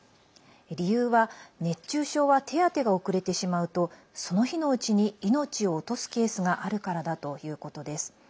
理由は、熱中症は手当てが遅れてしまうとその日のうちに命を落とすケースがあるからだということです。